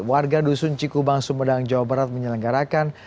warga dusun cikubang sumedang jawa barat menyelenggarakan